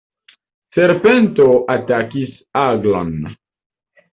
Serpento atakis aglon.